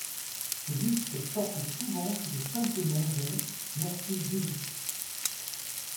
Ses disques sortent souvent sous le simple nom de Mercy Dee.